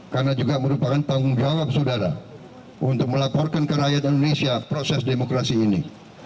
karena juga merupakan tanggung jawab saudara untuk melaporkan ke rakyat indonesia proses demokrasi ini